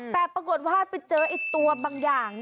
แต่ปรากฏว่าไปเจออีกตัวบางอย่าง